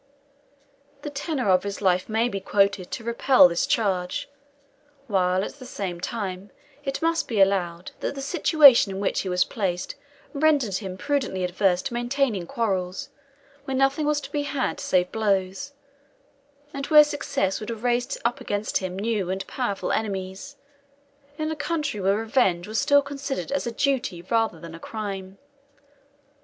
The tenor of his life may be quoted to repel this charge; while, at the same time, it must be allowed, that the situation in which he was placed rendered him prudently averse to maintaining quarrels, where nothing was to be had save blows, and where success would have raised up against him new and powerful enemies, in a country where revenge was still considered as a duty rather than a crime.